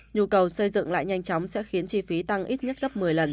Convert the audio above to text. nhu cầu xây dựng lại nhanh chóng sẽ khiến chi phí tăng ít nhất gấp một mươi lần